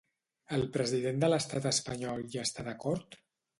El president de l'estat espanyol hi està d'acord?